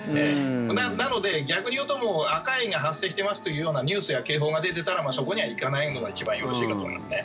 なので、逆に言うとアカエイが発生してますっていうニュースや警報が出ていたらそこには行かないのが一番よろしいかと思いますね。